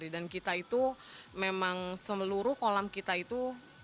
dan kita itu memang seluruh kolam kita itu